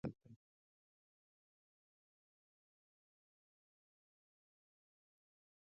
افغانستان د سیلاني ځایونو له پلوه متنوع هېواد دی.